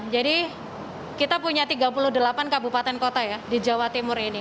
jadi kita punya tiga puluh delapan kabupaten kota ya di jawa timur ini